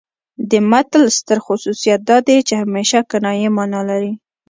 د متل ستر خصوصیت دا دی چې همیشه کنايي مانا لري